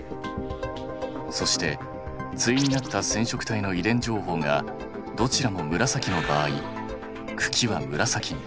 そして対になった染色体の遺伝情報がどちらも紫の場合茎は紫に。